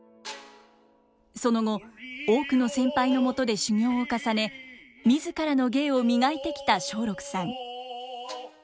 その後多くの先輩のもとで修業を重ね自らの芸を磨いてきた松緑さん。